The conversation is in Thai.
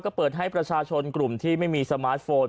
ก็เปิดให้ประชาชนกลุ่มที่ไม่มีสมาร์ทโฟน